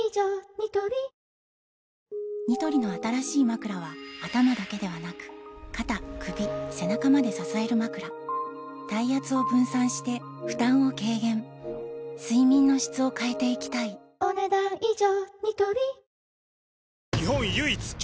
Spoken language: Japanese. ニトリニトリの新しいまくらは頭だけではなく肩・首・背中まで支えるまくら体圧を分散して負担を軽減睡眠の質を変えていきたいお、ねだん以上。